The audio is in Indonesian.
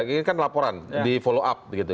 ini kan laporan di follow up begitu